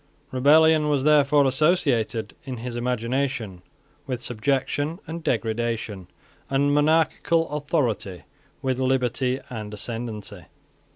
Rebellion was therefore associated in his imagination with subjection and degradation, and monarchical authority with liberty and ascendency.